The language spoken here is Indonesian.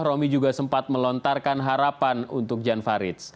romy juga sempat melontarkan harapan untuk jan farid